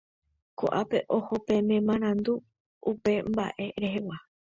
Koʼápe oho peẽme marandu upe mbaʼe rehegua.